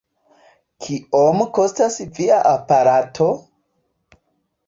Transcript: Kiom kostas via aparato?